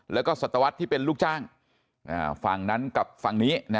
แล้วก็สัตวรรษที่เป็นลูกจ้างฝั่งนั้นกับฝั่งนี้